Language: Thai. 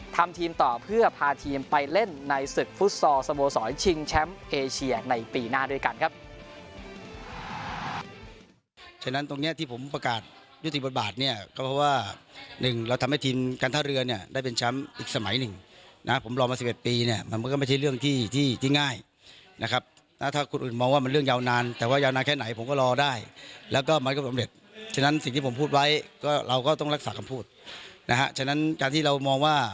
ทำทีมต่อเพื่อพาทีมไปเล่นในศึกฟุตซอลสโมสรชิงแชมป์เอเชียในปีหน้าด้วยกันครับ